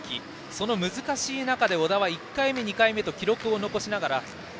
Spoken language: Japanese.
その難しい中で小田は１回目、２回目と記録を残しながら。